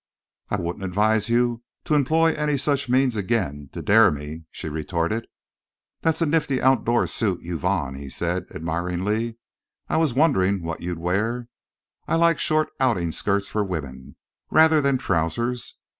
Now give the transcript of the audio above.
"I wouldn't advise you to employ any such means again—to dare me," she retorted. "That's a nifty outdoor suit you've on," he said, admiringly. "I was wondering what you'd wear. I like short outing skirts for women, rather than trousers.